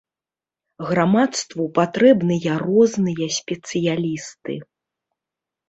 Грамадству патрэбныя розныя спецыялісты.